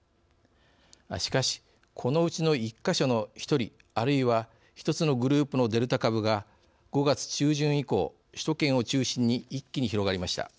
しかしこのうちの１か所の１人あるいは１つのグループのデルタ株が５月中旬以降首都圏を中心に一気に広がりました。